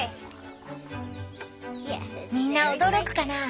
みんな驚くかな